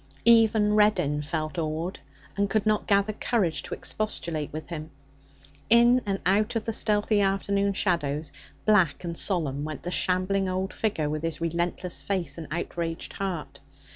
Even Reddin felt awed and could not gather courage to expostulate with him. In and out of the stealthy afternoon shadows, black and solemn, went the shambling old figure with his relentless face and outraged heart.